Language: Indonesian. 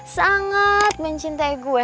sangat mencintai gue